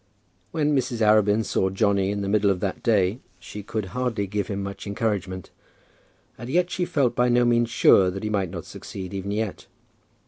When Mrs. Arabin saw Johnny in the middle of that day, she could hardly give him much encouragement. And yet she felt by no means sure that he might not succeed even yet.